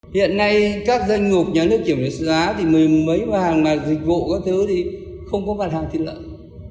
hiện nay các danh ngục nhà nước kiểm soát giá thì mấy hàng mà dịch vụ các thứ thì không có bàn hàng thịt lợn